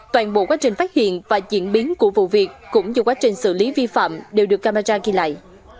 toàn bộ quá trình phát hiện và diễn biến của vụ việc cũng như quá trình xử lý vi phạm đều được camera ghi lại